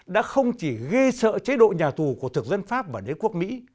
đã không chỉ gây sợ chế độ nhà tù của thực dân pháp và đế quốc mỹ